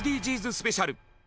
スペシャル。